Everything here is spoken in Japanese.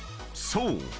［そう。